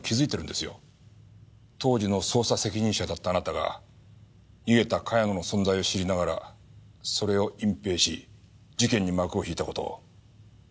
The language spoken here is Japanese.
当時の捜査責任者だったあなたが逃げた茅野の存在を知りながらそれを隠ぺいし事件に幕を引いた事を。